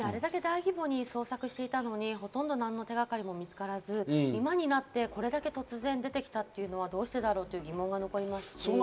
３年前、あれだけ大規模に捜索していたのに何の手掛かりも見つからず、ここにきて突然出てきたのはどうしてだろう？という疑問も残りますし。